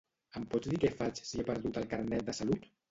Em pots dir què faig si he perdut el Carnet de salut?